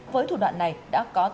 với thủ đoạn này đã có tám người